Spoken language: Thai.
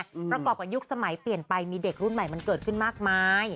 ประกอบกับยุคสมัยเปลี่ยนไปมีเด็กรุ่นใหม่มันเกิดขึ้นมากมาย